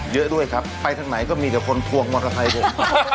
เยอะด้วยครับไปทางไหนก็มีเดี๋ยวคนทวงมอเตอร์ไทยด้วย